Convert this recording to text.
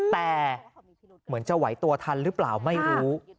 แต่เหมือนจะไหวตัวทันหรือเปล่าไม่รู้